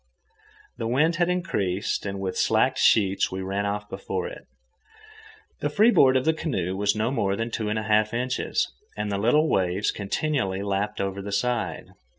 The wind had increased, and with slacked sheets we ran off before it. The freeboard of the canoe was no more than two and a half inches, and the little waves continually lapped over the side.